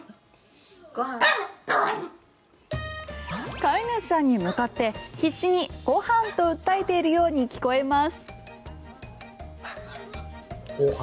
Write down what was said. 飼い主さんに向かって必死にご飯と訴えているように聞こえます。